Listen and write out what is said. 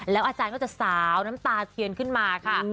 อาจารย์ก็จะสาวน้ำตาเทียนขึ้นมาค่ะ